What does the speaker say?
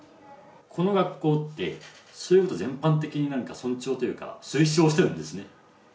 この学校って、そういうことを全般的になんか尊重というか推奨しているんですね。